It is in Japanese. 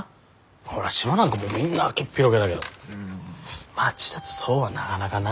ほら島なんかもうみんな開けっぴろげだけど町だとそうはなかなかな。